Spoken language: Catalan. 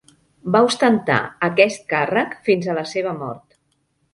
Va ostentar aquest càrrec fins a la seva mort.